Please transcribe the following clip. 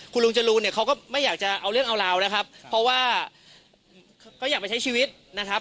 คุณลุงจรูนเนี่ยเขาก็ไม่อยากจะเอาเรื่องเอาราวนะครับเพราะว่าก็อยากไปใช้ชีวิตนะครับ